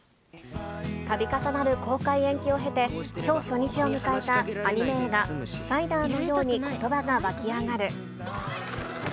たび重なる公開延期を経て、きょう初日を迎えたアニメ映画、サイダーのように言葉が湧き上がる。